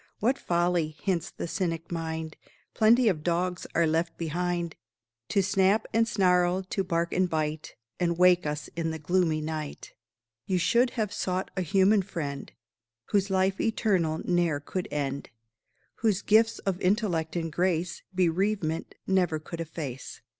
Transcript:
"What folly!" hints the cynic mind, "Plenty of dogs are left behind To snap and snarl, to bark and bite, And wake us in the gloomy night. "You should have sought a human friend, Whose life eternal ne'er could end Whose gifts of intellect and grace Bereavement never could efface."